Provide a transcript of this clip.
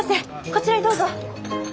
こちらにどうぞ。